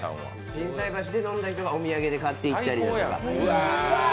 心斎橋で飲んだ人がお土産で買っていったりとか。